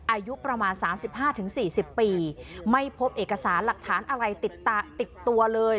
อายุประมาณสามสิบห้าถึงสี่สิบปีไม่พบเอกสารหลักฐานอะไรติดตัวเลย